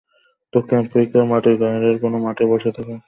দক্ষিণ আফ্রিকার মাটির গ্যালারির কোনো মাঠে বসে থাকার অনুভূতি কাজ করবে মনে।